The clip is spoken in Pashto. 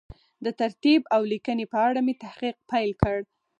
د ترتیب او لیکنې په اړه مې تحقیق پیل کړ.